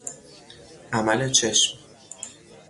عمل چشم